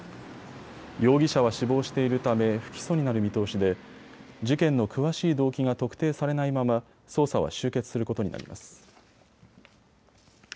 容疑者は死亡しているため不起訴になる見通しで事件の詳しい動機が特定されないまま捜査は終結することになります。